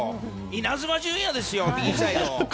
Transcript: イナズマ純也ですよ、右サイド！